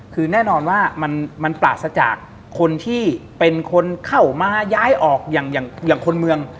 คือแน่นอนว่ามันปราศจากคนที่เป็นคนเข้ามาย้ายออกอย่างคนเมือง